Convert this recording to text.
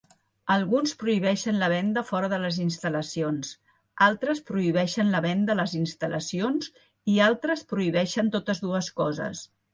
Alguns prohibeixen la venda fora de les instal·lacions, altres prohibeixen la venda a les instal·lacions i altres prohibeixen totes dues coses.